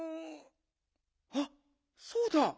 あっそうだ。